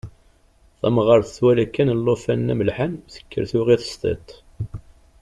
Tamɣart twala kan lṭufan-nni amelḥan tekker tuɣ-it s tiṭ.